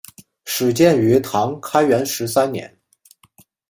始建于唐开元十三年。